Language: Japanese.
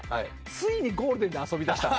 ついにゴールデンで遊びだした。